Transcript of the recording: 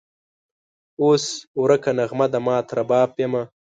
اوس ورکه نغمه د مات رباب یمه